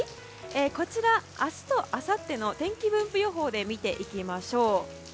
こちら、明日とあさっての天気分布予報で見ていきましょう。